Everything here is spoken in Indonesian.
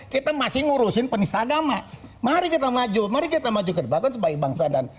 kita masih ngurusin penista agama mari kita maju mari kita maju ke depan sebagai bangsa dan